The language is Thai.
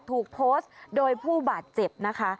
ถูกโพสต์โดยผู้บาดเจ็บนะคะ